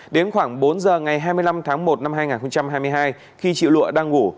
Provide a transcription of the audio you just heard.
đến khoảng bốn giờ ngày hai mươi năm tháng một năm hai nghìn hai mươi hai khi triệu lụa đang ngủ